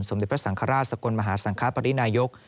เด็จพระสังฆราชสกลมหาสังคปรินายก